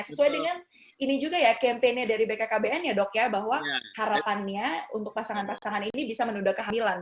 sesuai dengan ini juga ya campaign nya dari bkkbn ya dok ya bahwa harapannya untuk pasangan pasangan ini bisa menunda kehamilan